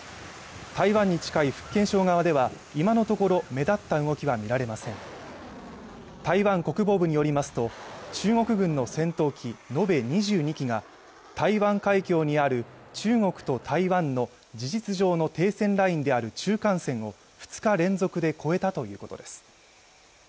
台湾に近い福建省側では今のところ目立った動きは見られません台湾国防部によりますと中国軍の戦闘機延べ２２機が台湾海峡にある中国と台湾の事実上の停戦ラインである中間線を２日連続で超えたということです